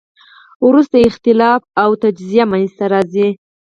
وروسته اختلاف او تجزیه منځ ته راځي.